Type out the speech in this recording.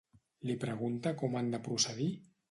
Li pregunta com han de procedir?